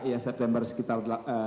ya september sekitar